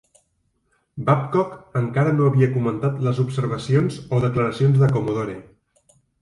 Babcock encara no havia comentat les observacions o declaracions de Commodore.